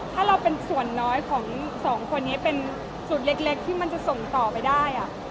ถ้าเราเป็นส่วนน้อยของสองคนนี้เป็นสูตรเล็กที่มันจะส่งต่อไปได้